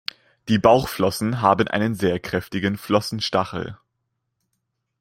Die Bauchflossen haben einen sehr kräftigen Flossenstachel.